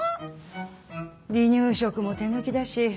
離乳食も手抜きだし。